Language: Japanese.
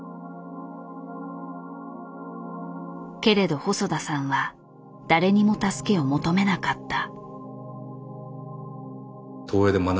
けれど細田さんは誰にも助けを求めなかった。